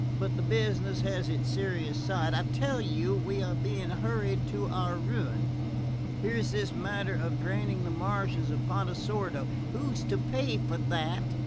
"But the business has its serious side. I tell you we are being hurried to our ruin. Here's this matter of draining the marshes at Pontesordo. Who's to pay for that?